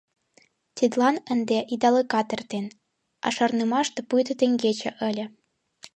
Тидлан ынде идалыкат эртен, а шарнымаште пуйто теҥгече ыле.